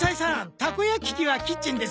たこ焼き器はキッチンですよね？